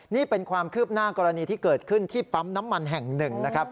นี่เป็นความคืบหน้ากรณีที่เกิดขึ้นที่ปั๊มน้ำมันแห่งหนึ่งนะครับ